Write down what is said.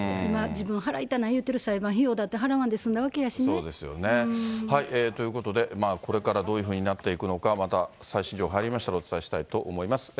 自分払いたない言うてる裁判費用だって、払わんで済んだわけということで、これからどういうふうになっていくのか、また最新情報入りましたらお伝えしたいと思います。